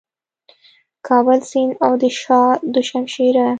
کابل سیند او د شاه دو شمشېره